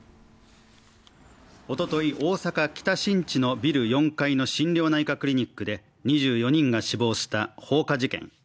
おととい、大阪・北新地のビル４階の心療内科クリニックで２４人が死亡した放火事件。